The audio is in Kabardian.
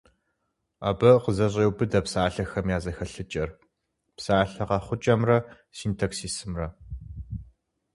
Абы къызэщӏеубыдэ псалъэхэм я зэхэлъыкӏэр, псалъэ къэхъукӏэмрэ синтаксисымрэ.